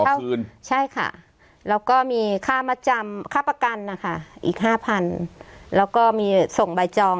คืนใช่ค่ะแล้วก็มีค่ามัดจำค่าประกันนะคะอีกห้าพันแล้วก็มีส่งใบจอง